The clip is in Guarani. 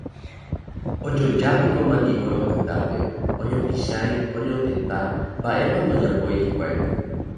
ojojapíko mandi'o ropytápe, oñopichãi, oñotenta, mba'épa ndojapói hikuái